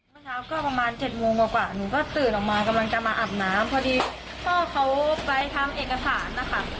เมื่อเช้าก็ประมาณเจ็ดโมงกว่ากว่าหนูก็ตื่นออกมากำลังจะมาอาบน้ำ